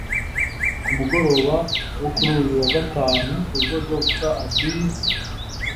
Ku mugoroba wo kuri uyu wa Gatanu ubwo Dr Abiy